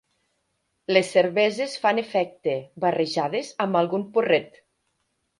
Les cerveses fan efecte, barrejades amb algun porret.